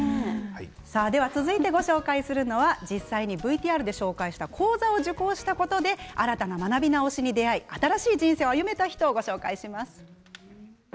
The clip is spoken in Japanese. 続いてご紹介するのは実際にＶＴＲでご紹介した講座を受講したことで新たな学び直しに出会い新しい人生を歩めた人をご紹介します。